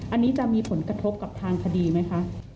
อันนี้จะมีผลกระทบกับทางคดีไหมคะ